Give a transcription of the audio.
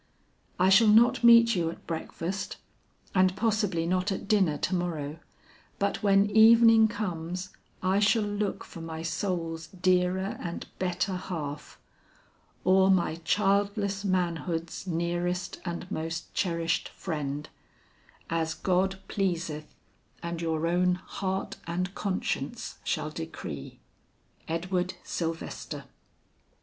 "I shall not meet you at breakfast and possibly not at dinner to morrow, but when evening comes I shall look for my soul's dearer and better half, or my childless manhood's nearest and most cherished friend, as God pleaseth and your own heart and conscience shall decree. "EDWARD SYLVESTER."